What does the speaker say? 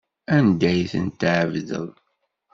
Anda ay tent-tɛebdeḍ?